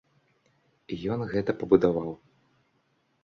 І ён гэта пабудаваў.